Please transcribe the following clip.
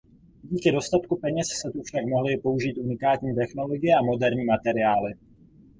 Díky dostatku peněz se tu však mohly použít unikátní technologie a moderní materiály.